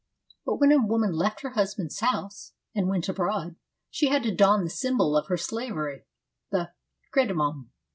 But when a woman left her husband's house and went abroad, she had to don the symbol of her slavery, the ' kredemnon.'